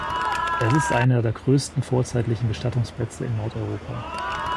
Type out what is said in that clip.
Es ist einer der größten vorzeitlichen Bestattungsplätze in Nordeuropa.